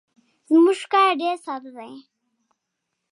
زموږ کار ډیر ساده دی.